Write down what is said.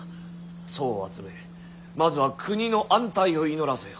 僧を集めまずは国の安泰を祈らせよ。